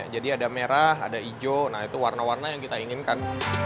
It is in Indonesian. jadi ada merah ada hijau nah itu warna warna yang kita inginkan